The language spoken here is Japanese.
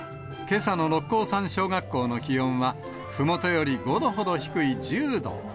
けさの六甲山小学校の気温は、ふもとより５度ほど低い１０度。